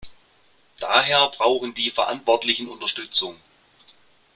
Daher brauchen die Verantwortlichen Unterstützung.